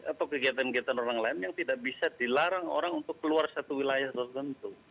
atau kegiatan kegiatan orang lain yang tidak bisa dilarang orang untuk keluar satu wilayah tertentu